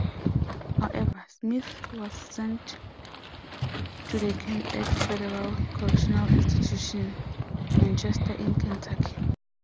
However, Smith was sent to the camp at Federal Correctional Institution, Manchester in Kentucky.